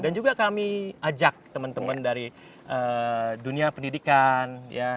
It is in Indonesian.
dan juga kami ajak teman teman dari dunia pendidikan ya